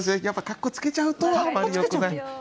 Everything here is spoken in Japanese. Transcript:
やっぱかっこつけちゃうとあんまりよくない。